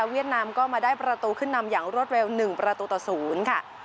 เวียดนามก็มาได้ประตูขึ้นนำอย่างรถแวว๑ประตุศูนย์